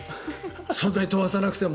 そんなに飛ばさなくても。